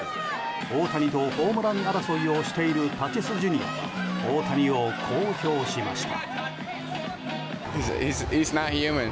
大谷とホームラン争いをしているタティス・ジュニアが大谷をこう評しました。